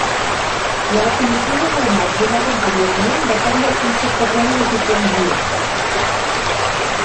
La definició de veïnat donada anteriorment depèn del concepte previ de topologia.